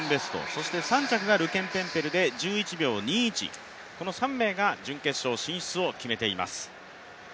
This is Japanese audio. そして３着がルケンケムペルで１１秒２１、この３名が準決勝進出を決めています。